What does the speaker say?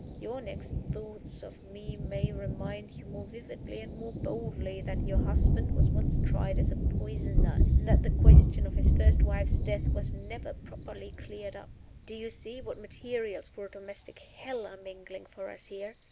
Your next thoughts of me may remind you more vividly and more boldly that your husband was once tried as a poisoner, and that the question of his first wife's death was never properly cleared up. Do you see what materials for a domestic hell are mingling for us here?